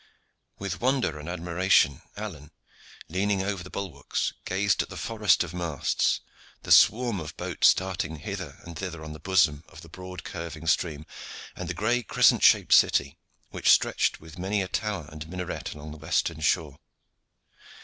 With wonder and admiration, Alleyne, leaning over the bulwarks, gazed at the forest of masts, the swarm of boats darting hither and thither on the bosom of the broad curving stream, and the gray crescent shaped city which stretched with many a tower and minaret along the western shore.